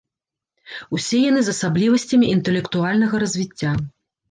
Усе яны з асаблівасцямі інтэлектуальнага развіцця.